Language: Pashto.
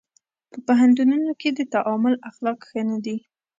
په پوهنتونونو کې د تعامل اخلاق ښه نه دي.